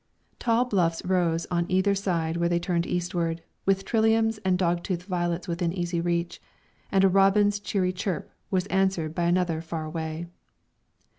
Tall bluffs rose on either side where they turned eastward, with triliums and dog tooth violets within easy reach, and a robin's cheery chirp was answered by another far away.